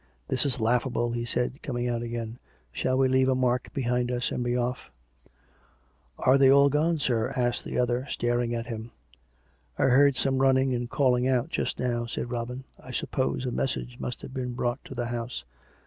" This is laughable," he said, coming out again. " Shall we leave a mark behind us and be off."* "" Are they all gone, sir ?" asked the other, staring at him. " I heard some running and calling out just now," said Robin. " I suppose a message must have been brought to the house."